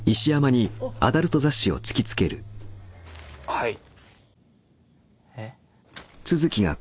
はいえっ。